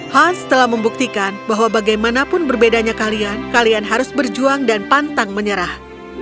hans telah membuktikan bahwa bagaimanapun berbedanya kalian kalian harus berjuang dan pantang menyerah